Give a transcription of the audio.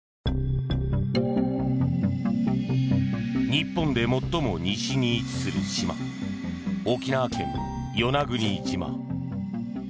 日本で最も西に位置する島沖縄県与那国島。